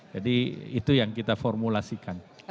jadi itu yang kita formulasikan